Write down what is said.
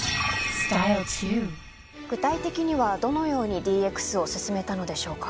具体的にはどのようにＤＸを進めたのでしょうか？